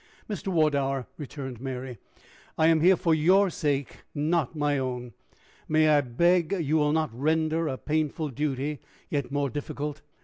"Mr. Wardour," returned Mary, "I am here for your sake, not my own. May I beg you will not render a painful duty yet more difficult?"